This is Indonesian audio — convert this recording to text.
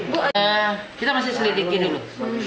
kita masih selidiki dulu